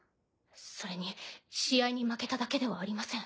それに試合に負けただけではありません。